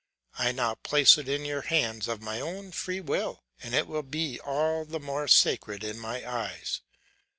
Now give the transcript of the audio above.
I now place it in your hands of my own free will, and it will be all the more sacred in my eyes.